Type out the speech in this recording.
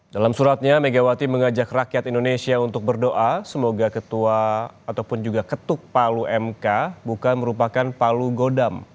dalam suratnya megawati mengajak rakyat indonesia untuk berdoa semoga ketua ataupun juga ketuk palu mk bukan merupakan palu godam